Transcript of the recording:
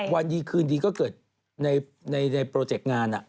วันดีคืนดีก็เกิดในโปรเจกต์งาน